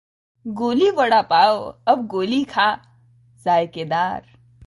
गोली वडापावः अब गोली खा...जायकेदार